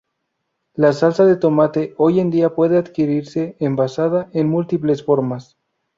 La salsa de tomate hoy en día puede adquirirse envasada en múltiples formas.